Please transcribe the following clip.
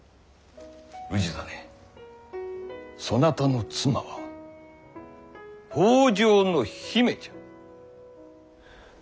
氏真そなたの妻は北条の姫じゃ。